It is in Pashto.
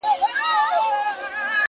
مخ ته يې اورونه ول. شاه ته پر سجده پرېووت.